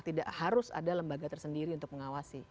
tidak harus ada lembaga tersendiri untuk mengawasi